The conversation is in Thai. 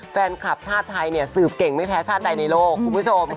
แฟนคลับชาติไทยเนี่ยสืบเก่งไม่แพ้ชาติใดในโลกคุณผู้ชม